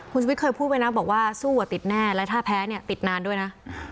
คุณชุวิตเคยพูดไว้นะบอกว่าสู้ติดแน่และถ้าแพ้เนี่ยติดนานด้วยนะ